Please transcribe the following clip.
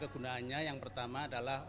kegunaannya yang pertama adalah